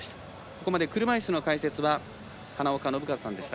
ここまで、車いすの解説は花岡伸和さんでした。